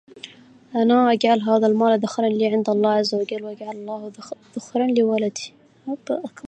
أَنَا أَجْعَلُ هَذَا الْمَالَ ذُخْرًا لِي عِنْدَ اللَّهِ عَزَّ وَجَلَّ وَأَجْعَلُ اللَّهَ ذُخْرًا لِوَلَدِي